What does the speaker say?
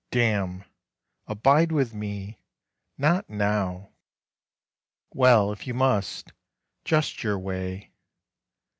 _" Damn. 'Abide with Me....' Not now! Well ... if you must: just your way.